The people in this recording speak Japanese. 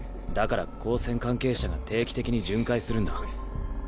だから高専関係者が定期的に巡回するんだ。